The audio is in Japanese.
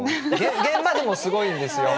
現場でもすごいんですよ。